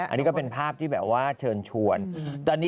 อันนี้ก็เป็นภาพที่แบบว่าเชิญชวน